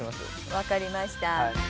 分かりました。